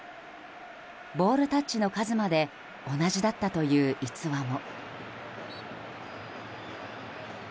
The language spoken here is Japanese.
ボールタッチの数まで同じだったという逸話も。